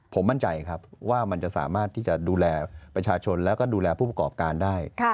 ผมมั่นใจครับว่ามันจะสามารถที่จะดูแลประชาชนแล้วก็ดูแลผู้ประกอบการได้